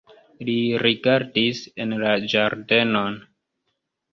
Li rigardis en la ĝardenon.